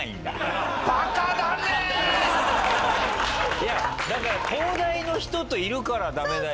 いやだから東大の人といるからダメだよ。